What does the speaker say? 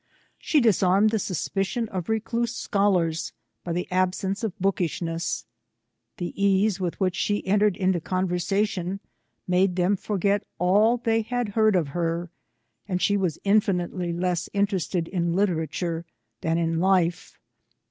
She disarmed the suspicion of recluse scholars by the absence of bookishness. The ease with which she entered into conversation made them forget all they had heard of her ; and she was infinitely less interested in literature than in life.